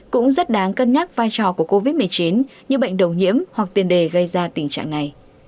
cũng rất đáng cân nhắc vai trò của covid một mươi chín như bệnh đầu nhiễm hoặc tiền đề gây ra tình trạng này